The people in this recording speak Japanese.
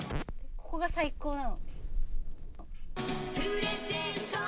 ここが最高なの。